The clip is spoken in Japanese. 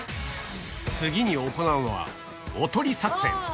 次に行うのは、おとり作戦。